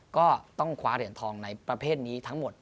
ก็ต้องคว้าเหรียญทองในประเภทนี้ทั้งหมด